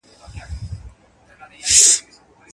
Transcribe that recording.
تشه له سرو میو شنه پیاله به وي.